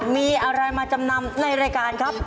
มีอะไรมาจำนำในรายการครับ